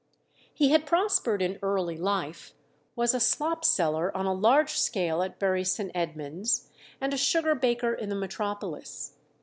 He had prospered in early life, was a slop seller on a large scale at Bury St. Edmunds, and a sugar baker in the metropolis.